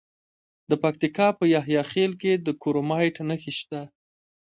د پکتیکا په یحیی خیل کې د کرومایټ نښې شته.